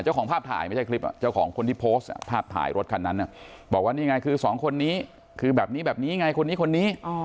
เจ้าของภาพถ่ายไม่ใช่คลิปเจ้าของคนที่โพสต์ภาพถ่ายรถคันนั้นบอกว่านี่ไงคือสองคนนี้คือแบบนี้แบบนี้ไงคนนี้คนนี้